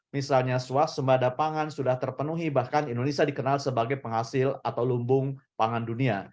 misalnya swasembada pangan sudah terpenuhi bahkan indonesia dikenal sebagai penghasil atau lumbung pangan dunia